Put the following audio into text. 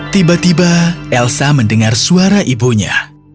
tiba tiba elsa mendengar suara ibunya